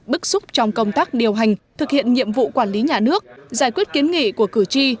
bức xúc trong công tác điều hành thực hiện nhiệm vụ quản lý nhà nước giải quyết kiến nghị của cử tri